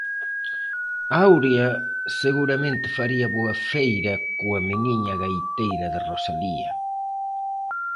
Aurea seguramente faría boa feira coa meniña gaiteira de Rosalía.